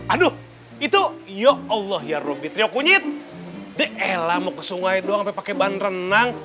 aduh itu ya allah ya rubitrio kunyit dek ella mau ke sungai doang pakai ban renang